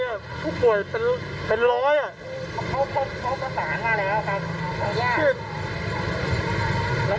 แล้วก็ผู้ทะเลพานะครับให้เราเอาเนี่ย